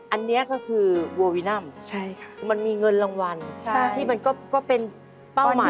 อันนี้ก็คือโววินัมมันมีเงินรางวัลที่มันก็เป็นเป้าหมาย